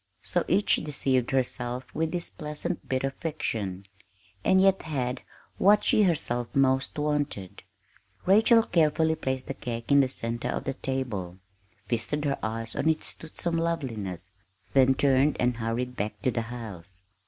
So each deceived herself with this pleasant bit of fiction, and yet had what she herself most wanted. Rachel carefully placed the cake in the center of the table, feasted her eyes on its toothsome loveliness, then turned and hurried back to the house.